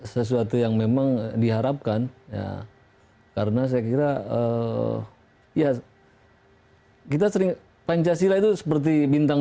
sesuatu yang memang diharapkan ya karena saya kira ya kita sering pancasila itu seperti bintang